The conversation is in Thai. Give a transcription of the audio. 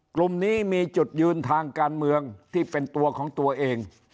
กลุ่มนี้มีจุดยืนทางการเมืองที่เป็นตัวของตัวเอง